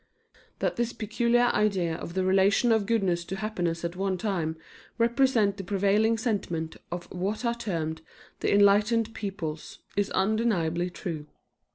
That this peculiar idea of the relation of goodness to happiness at one time represented the prevailing sentiment of what are termed the enlightened peoples, is undeniably true.